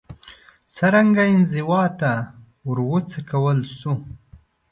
څرنګه انزوا ته وروڅکول شو